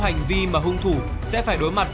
hành vi mà hung thủ sẽ phải đối mặt